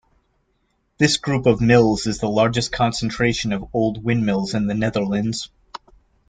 This group of mills is the largest concentration of old windmills in the Netherlands.